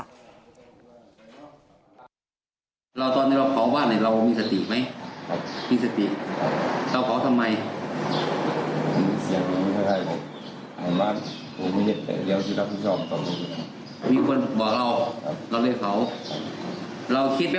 เราตอนนี้เราเผาบ้านเลยเรามีสติไหม